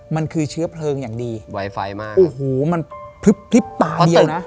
มันคือเชื้อเพลิงอย่างดีโอ้โหมันพริบตาเดียวนะ